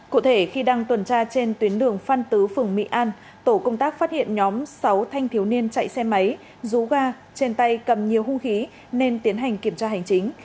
cụ thể khi đang tuần tra trên tuyến đường phan tứ phường mỹ an tổ công tác phát hiện nhóm sáu thanh thiếu niên chạy xe máy rú ga trên tay cầm nhiều hung khí nên tiến hành kiểm tra hành chính